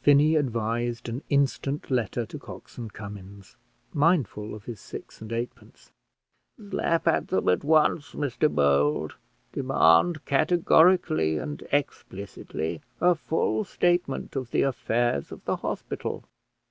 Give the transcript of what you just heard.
Finney advised an instant letter to Cox and Cummins, mindful of his six and eightpence. "Slap at them at once, Mr Bold. Demand categorically and explicitly a full statement of the affairs of the hospital."